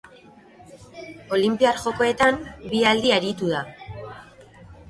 Olinpiar Jokoetan bi aldi aritu da.